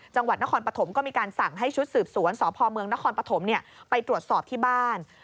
จังหวัดนครปฐมก็มีการสั่งให้ชุดสืบสวนสพเมืองนครปฐมไปตรวจสอบที่บ้าน